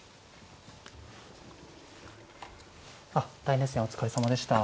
大熱戦お疲れさまでした。